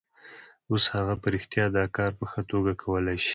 اوس هغه په رښتیا دا کار په ښه توګه کولای شي